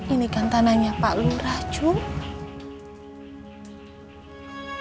ini kan tanahnya pak lurah cuy